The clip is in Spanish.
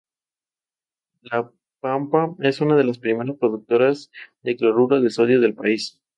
Era hermanastro del exboxeador profesional Ron Bellamy.